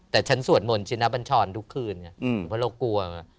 แต่ฉันสวดหมลชินะบัญชรทุกคืนเพราะเรากลัว